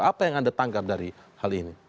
apa yang anda tangkap dari hal ini